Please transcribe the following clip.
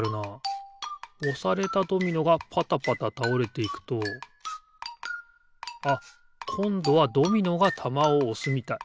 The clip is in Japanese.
おされたドミノがぱたぱたたおれていくとあっこんどはドミノがたまをおすみたい。